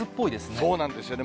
そうなんですよね。